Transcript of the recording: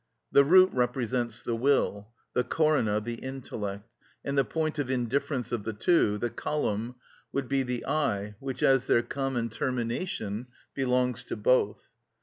The root represents the will, the corona the intellect, and the point of indifference of the two, the collum, would be the I, which, as their common termination, belongs to both.